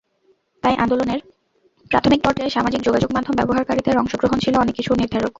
তাই আন্দোলনের প্রাথমিক পর্যায়ে সামাজিক যোগাযোগমাধ্যম ব্যবহারকারীদের অংশগ্রহণ ছিল অনেক কিছুর নির্ধারক।